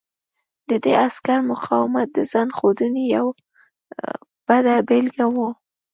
د دې عسکر مقاومت د ځان ښودنې یوه بده بېلګه وه